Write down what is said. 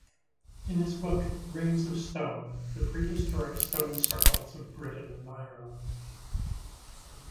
In his book Rings of Stone: The Prehistoric Stone Circles of Britain and Ireland.